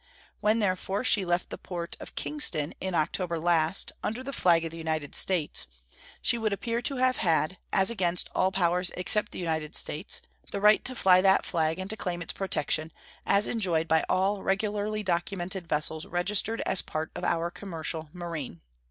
When, therefore, she left the port of Kingston, in October last, under the flag of the United States, she would appear to have had, as against all powers except the United States, the right to fly that flag and to claim its protection, as enjoyed by all regularly documented vessels registered as part of our commercial marine.